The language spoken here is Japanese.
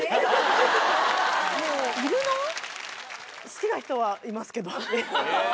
好きな人はいますけど。